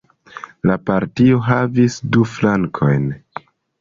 La partio havis du flankojn.